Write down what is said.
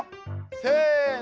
せの！